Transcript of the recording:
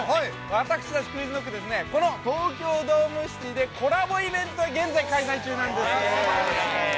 私たちクイズノックですね、この東京ドームシティで、コラボイベントを現在開催中なんです！